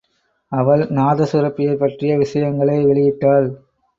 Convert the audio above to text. அவள் நாதசுரபியைப் பற்றிய விஷயங்களை வெளியிட்டாள்.